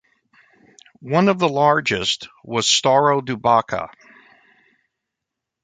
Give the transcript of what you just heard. One of the largest was Starodubaka.